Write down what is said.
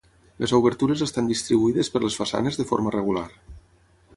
Les obertures estan distribuïdes per les façanes de forma regular.